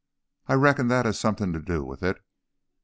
I reckon that has something to do with it.